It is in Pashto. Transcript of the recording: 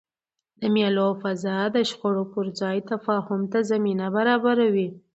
د مېلو فضا د شخړو پر ځای تفاهم ته زمینه برابروي.